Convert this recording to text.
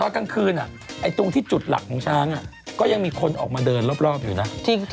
เราก็ได้งานช้างมามีงานช้าง